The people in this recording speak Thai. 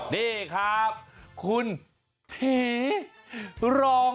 นี่ครับคุณถีรอง